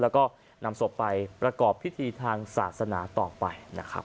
แล้วก็นำศพไปประกอบพิธีทางศาสนาต่อไปนะครับ